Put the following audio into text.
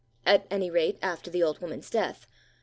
At any rate, after the old woman's death.